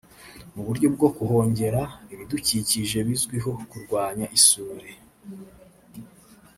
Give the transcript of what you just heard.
mu buryo bwo kuhongera ibidukikije bizwiho kurwanya isuri